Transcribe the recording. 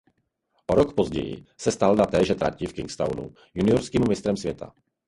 O rok později se stal na téže trati v Kingstonu juniorským mistrem světa.